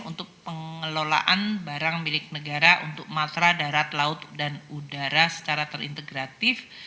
untuk pengelolaan barang milik negara untuk matra darat laut dan udara secara terintegratif